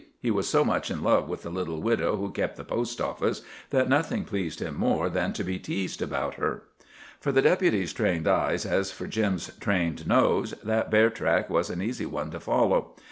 He was so much in love with the little widow who kept the post office that nothing pleased him more than to be teased about her. For the Deputy's trained eyes, as for Jim's trained nose, that bear track was an easy one to follow.